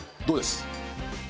どうです？